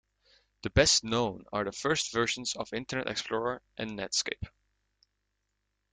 The best known are the first versions of Internet Explorer and Netscape.